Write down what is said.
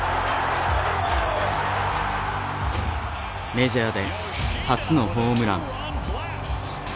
メジャーで初のホームラン。